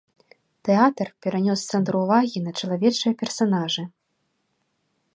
Тэатр перанёс цэнтр увагі на чалавечыя персанажы.